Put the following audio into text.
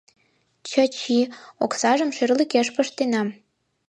Чачи, оксажым шӧрлыкеш пыштенам.